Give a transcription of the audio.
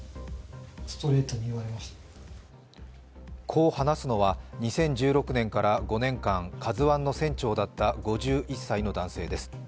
こう話すのは２０１６年から５年間、「ＫＡＺＵⅠ」の船長だった５１歳の男性です。